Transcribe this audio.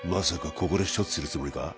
ここで処置するつもりか？